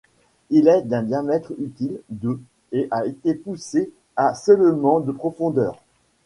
Il est d'un diamètre utile de et a été poussé à seulement de profondeur.